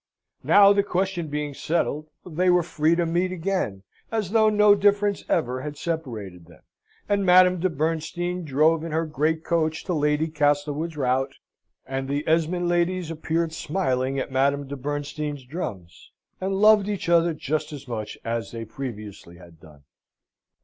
Now, the question being settled, they were free to meet again, as though no difference ever had separated them: and Madame de Bernstein drove in her great coach to Lady Castlewood's rout, and the Esmond ladies appeared smiling at Madame de Bernstein's drums, and loved each other just as much as they previously had done.